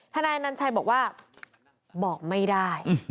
นายอนัญชัยบอกว่าบอกไม่ได้